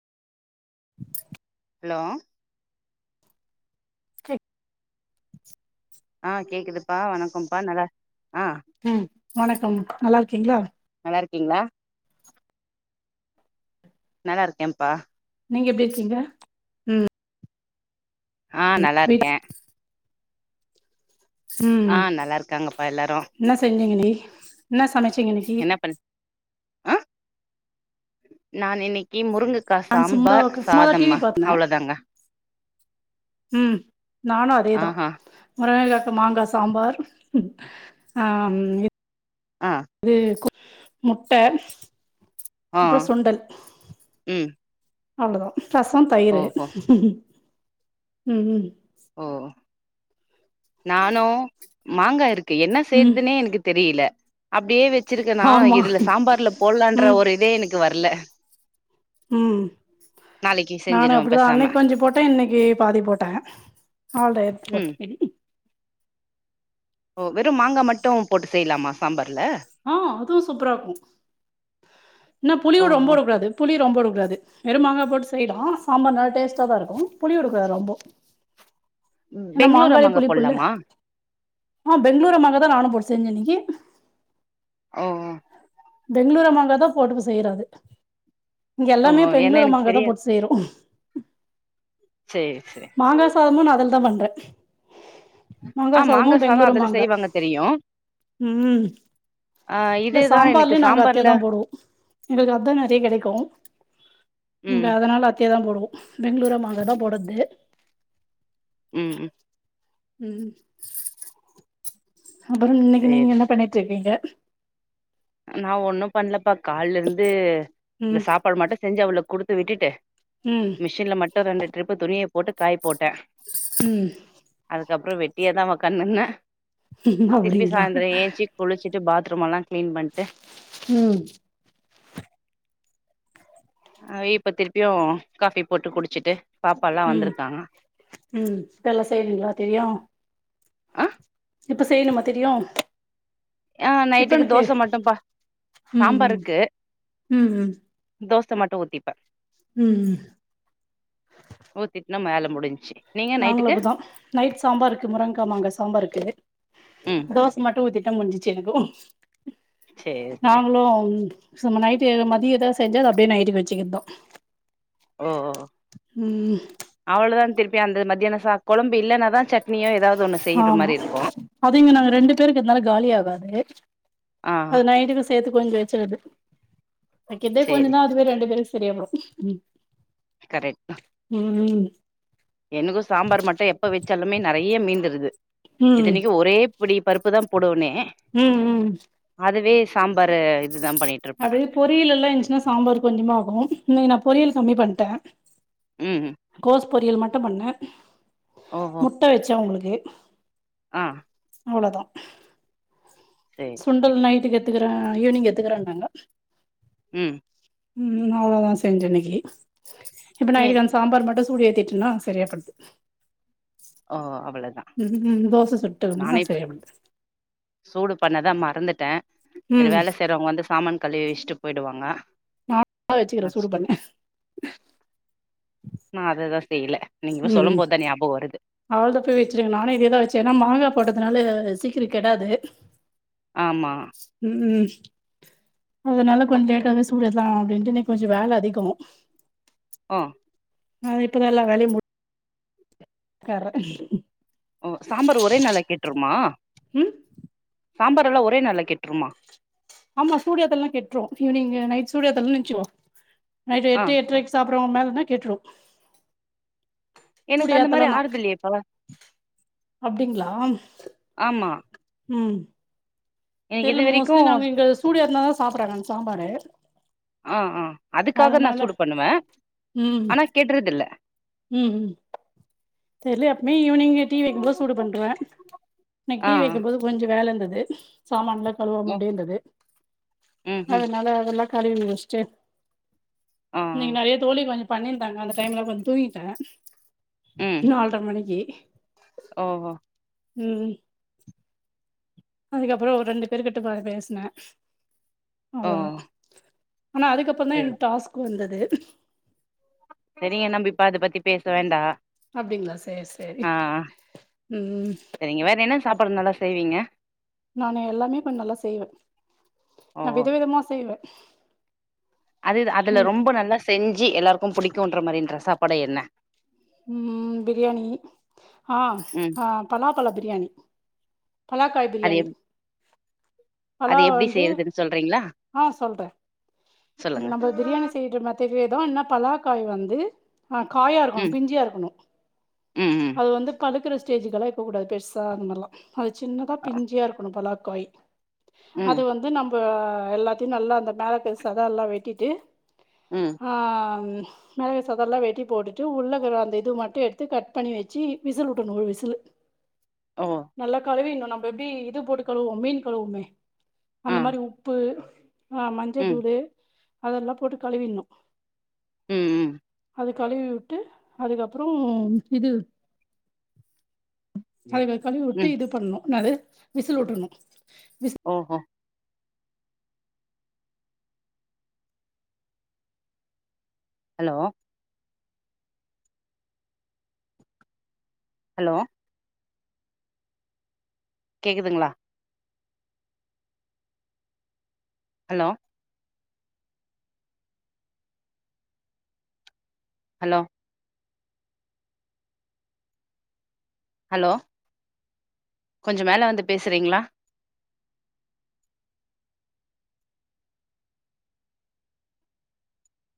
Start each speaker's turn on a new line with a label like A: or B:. A: [inaudible]
B: Hello
A: [unintelligible]
B: ஆ கேக்குதுப்பா வணக்கம்பா நல்லா ஆ
A: உ வணக்கம் நல்லா இருக்கீங்களா
B: கிங்ளா நல்லா இருக்கேன்ப்பா
A: நீங்க எப்டி இருக்கீங்க உ
B: ஆ நல்லா இருக்கே
A: ம்
B: ஆ நல்லா இருக்காங்கப்பா எல்லாரு
A: என்ன செஞ்சீங்க டி [inaudible] என்ன சமைச்சிங்க இன்னைக்கி
B: என்ன பண் ஆ நான் இன்னிக்கு முருங்க க்கா
A: நான் சும்மா
B: சாம்பார்
A: சும்மாதா டிவி
B: சாதம்மா
A: பாத்தே
B: அவ்வளோதாங்க
A: ம் நானு அதேதா
B: ஆஹா
A: முருங்கா மாங்கா சாம்பார் ம் ஆ ம் இத்
B: ஆ
A: து கோ முட்ட
B: ஆ
A: அப்புற சுண்டல்
B: ம்
A: அவ்ளோதா ரசம் தயிரு
B: ஓஹோ
A: ம் ம்
B: ஓ நானு மாங்கா இருக் கு என்ன
A: ம்
B: செய்யறதுனே எனக்கு தெரியல அப்டியே வச் வச்சிருக்கேனா
A: ஆமா
B: இதுல சாம்பார்ல போடலான்ற
A: ம்
B: ஒரு இதே எனக் வர்ல
A: ம் நானு
B: செஞ்சிருவே
A: அப்டிதா
B: பேசாம
A: அன்னைக்கு கொஞ்ச போட்டே இன்னைக்கு பாதி போட்டே அவள்ட எடுத்து
B: ம்
A: போட்டே
B: ஓ வெறும் மாங்கா மட்டு போட்டு செய்யலாமா சாம்பார்
A: ம் அதுவு சூப்பரா இருக்கு என்ன புளிய ரொம்ப
B: ஓஹோ
A: வுடக்கூடாது புளி ரொம்ப வுடக் து வெறும் மாங்கா போட்டு செய்யிடம் சாம்பார் நல்லா டேஸ்டா தா இருக்கு புளி வுட்கூடாது ரொம்ப என்ன
B: பெங்களூர்
A: மாங்காள
B: மாங்கா
A: புளிப்பு இல்ல
B: போட்லாமா
A: ஆ பெங்களூரு மாங்கா தா நானு போட செஞ்சு இன்னிக்கு
B: ஓ ஓ
A: பெங்களூர் அம்மாங்க தான் போட்டு செய்யறது இங்க
B: ஓ
A: எல்லாமே
B: ஏன்னா
A: பெங்களூரு
B: எனக்கு
A: மாங்க தான்
B: தெரியாது
A: போட்டு செய்யறோம்
B: சேரி சேரி
A: மாங்க சாதமும் நல்லா தான் பண்றேன்
B: ஆஹ் மாங்க சாதம் அதுல செய்வாங்க தெரியும்
A: ம்
B: அஹ்
A: இல்ல
B: இதேதான் எனக்கு
A: சாம்பார்லயு நாங்க அதையே
B: சாம்பார்ல
A: தான் போடுவோம் எங்களுக்கு அதான் நிறைய கிடைக்கும் இங்க
B: ம்
A: அதனால அத்த தான் போடுவோம் பெங்களூரு மாங்கதான் போடுறது
B: உம் உம்
A: உம் அப்புறம் இன்னைக்கு நீங்க
B: சேரி
A: என்ன பண்ணிட்டு இருக்கீங்க
B: நான் ஒன்னும் பண்ணலப்பா கால்ல இருந்து இந்த
A: ம்
B: சாப்பாடு மட்டும் செஞ்ச அவ்வளவு கொடுத்து விட்டுட்டேன்
A: ம்
B: மிஷின்ல மட்டும் ரெண்டு ட்ரிப்பு துணியை போட்டு காயப்போட்டேன்
A: உம்
B: அதுக்கப்புறம் வெட்டியா தான் ஓட்காந்து இருந்தேன்
A: அப்படிங்களா
B: வீட்டு பாத்ரூம்ல்லாம் கிளீன் பண்ட்டு
A: உம்
B: அஹ் இப்ப திருப்பியும் காபி போட்டு குடிச்சிட்டு பாப்பால்லா
A: உம்
B: வந்திருக்காங்க
A: உம் இப்ப எல்லாம் செய்யறீங்களா எல்லாத்தையும்
B: ஆஹ
A: எப்ப செய்யணுமா தெரியும்
B: ஆஹ் நைட்டுக்கு தோசை மட்டும் பா
A: ம்
B: சாம்பார்
A: ம்
B: இருக்கு தோசை மட்டும் ஊத்திப்பேன்
A: உம்
B: என்ன மேல முடிஞ்சு
A: நாங்களும் அப்டி தான் நைட் சாம்பார் இருக்கு முருங்ககா மாங்க சாம்பார் இருக்கு
B: ம்
A: தோசை மட்டும் ஊத்தி எல்லா முடிஞ்ச்சு எனக்கும்
B: சேரி சேரி
A: நாங்களும் சம நைட்டு எது மதியதா தெஞ்சது அப்டே நைட்டுக்கு வச்சிக்கிறதோ
B: ஓ ஓ
A: ம்
B: பியா அந்த மத்தியானம் ச கொழம்பு இல்லன்னா தான் சட்னியோ எதாவது
A: ஆமா அது இங்க நாங்க ரெண்டு பேரு இருக்கிதுனால காலி ஆகாது
B: ஆ
A: அது நைட்டுக்கு சேத்து கொஞ்ச வச்சறது வக்கிதே கொஞ்ச
B: சேரி
A: தான்
B: சேரி
A: அதுவே ரெண்டு பேருக்கு தெரியாம ம் ம் ம்
B: எனக்கும் சாம்பார் மட்டும் எப்ப வச்சாலுமே நறையா மீந்துருது
A: ம்
B: இத்தனிக்கும் ஒரே இப்படி பருப்பு தான் போடுவனே
A: ம் ம்
B: அதுவே சாம்பாரு இதுதான்
A: அது பொரியல் எல்லாம் இருந்துச்சின்னா சாம்பாரு கொஞ்சமா ஆகும் இன்னிக்கு நா பொறியல் கம்மி பண்ட்டேன்
B: ம்
A: பொறியல் மட்டும் பண்ணே
B: ஓஹோ
A: முட்ட வெச்ச அவுங்களுக்கு ஏ
B: ஆ
A: அவ்ளோதா
B: சேரி
A: சுண்டல்
B: சேரி
A: நைட்டுக்கு எத்துக்க தா ஈவினிங் எத்துக்கறன்னாங்க
B: ம்
A: ம் அவ்ளோதா செஞ்ச இன்னைக் ஏ இப்ப நான்
B: ஏ
A: எனக்கே அந்த சாம்பார் மட்டும் சூடு ஏத்திட்டன்னா சரியாப்படுது
B: ஓ அவ்ளோதா
A: ம் ம் தோச சுட்டோம்னா
B: நானே
A: சரியா போது
B: தா மறந்துட்டே சரி வேல செய்யுறவங்க வந்து சாமான் கழுவி வச்சிட்டு போயிடுவாங்க
A: நா வச்சுக்கிறே
B: அ
A: சூடு
B: சு
A: பண்ண
B: தெரியல நீங்க இ சொல்லு போது தா ஞாபகோ வருது
A: அவ்ளதா போய் வச்சிருங்க நானு இதேதா வச்சே ஏன்னா மாங்காய் போட்டதுனால சீக்கிர கிடாது
B: ஆமா
A: உ உ அதனால கொஞ்ச லேட்டாவே சூடேத்தலா அப்பிடின்ட்டு இன்னக்கு கொஞ்ச வேல அதிகோ
B: ஆ
A: அது இப்பதா எல்லா வேளயு முடி கார்ர
B: ஓ சாம்பார் ஒரே நாள்ள கெட்ருமா
A: உ
B: சாம்பார்ல்லா ஒரே நால்ல கெட்ருமா
A: ஆமா சூடயேத்தலனா கெட்ரு ஈவினிங் நைட் சூடேயேதலனு நிச்சுவோ நைட்டு
B: ஆ
A: எட்டு எட்றைக் சாப் அப்பற மேலனா கெட்ரு
B: எனக்கு அந்த மாரி
A: புடியேத்தலனா
B: ஆறுதில்லையேப்பா
A: அப்டிங்களா
B: ஆமா
A: உ
B: எனக்கு இதுவரைக்கு
A: இங்க சூடியாத்தலதா சாப்புறாங்க அந்த சாம்பாரு
B: ஆ ஆ அதுக்காக நா
A: அதனால
B: சூடு பண்ணுவே ஆனா கெட்றதுல்ல
A: உ உ தெரியல அப்பமே ஈவினிங் டீ வைக்கும்போது சூடு பண்ருவே இன்னைக்கு
B: ஆ
A: டீ வைக்கும்போது கொஞ்ச வேல இருந்தது ஆ து சாமான்லா [unintelligible] கழுவாம
B: ம்
A: அப்ட்யேந்துது
B: ம் ம்
A: அதனால அதெல்லா கழுவி வஷ்டு
B: ஆ
A: இன்னக்கி நறைய தோழி கொஞ் பண்ணிருந்தாங்க அந்த டைம்ல கொஞ்ச தூங்கி டே
B: ம்
A: நால்ர மணிக்கி
B: ஓ
A: உ உ அதுக்கப்புற ஒரு ரெண்டு பேரு கிட்ட பா பேசினே
B: ஓ
A: அவ்ளோதா ஆனா அதுகப்றோந்தா
B: செரி
A: எனக்கு டாஸ்க் வந்தது து
B: பெரியன்னா போய் பாத்து பத்தி பேச வேண்டா
A: அப்டிங்ளா சேரி சேரி
B: ஆ
A: ம்
B: செரிங்க வேற என்ன சாப்பாடு நல்லா செய்வீங்க
A: நாணு எல்லாமே இப்போ நல்லா செய்வேன் நா வித விதமா செய்வேன்
B: அதுதா அதுல
A: ம்
B: ரொம்ப நல்லா செஞ்சு ஜி எல்லாருக்கோம் புடிக்குன்ற மாரின்ற சாப்பாடு என்ன
A: ம் பிரியாணி ஆ
B: ம்
A: அ பலாப்பழ பிரியாணி பலாக்காய்
B: அது
A: பிரியாணி
B: எப்
A: அத
B: அது எப்டி
A: வந்து
B: செய்யறதுன்னு சொல்றீங்களா
A: ஆ சொல்றேன்
B: சொல்லுங்க
A: நம்ம பிரியாணி செய்யிற மாதிரியே தா ன்னா பலாக்காய் வந்து ஆகாயா இருக்கணு
B: ம்
A: பிஞ்சியா இருக்கணு
B: ம் ம்
A: அது வந்து பதுக் பழுக்குற ஸ்டேஜிகெல்லா இருக்க கூடாது பெருசா அந்த மாரிலாம் அது சின்னதா
B: அ.
A: பிஞ்சியா இருக்கனும் பலாக் கொய்
B: ம்
A: அது வந்து நம் ப எல்லாத்தையும் நல்லா அந்த பேகஸ் சத எல்லா வெட்டிட்டு
B: ம்
A: ஆ ம் மேல இருக்க சதை எல்லா வெட்டி போட்டுட்டு உள்ளக்கிற அந்த இது மட்டும் எடுத்து கட் பண்ணி வெச்சு விசில் உட்டுடனும் ஒரு விசிலு
B: ஓ
A: நல்லா கழுவினனும் நம் எப்டி இது போட்டு கலுவுமே மீன் கலுவுமே
B: ஆ
A: அந்த மாரி உப்பு ஆமா
B: ம்
A: [unintelligible] அதெல்லா போட்டு கலுவிடனும்
B: ம் ம்
A: அது கலுவி உட்டு அதுக்கப்றோ இது அது கலுவி உட்டு
B: ம்
A: இது பண்ணனும் என்னது விசில் உட்டுறனும்
B: ஓ ஓ ஹலோ ஹலோ கேக்குதுங்களா ஹலோ ஹலோ ஹலோ கொஞ்சோ மேல வந்து பேசுறீங்களா